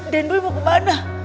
den boy mau kemana